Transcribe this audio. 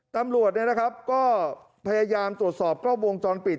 ตำรวจก็พยายามตรวจสอบกล้องวงจรปิด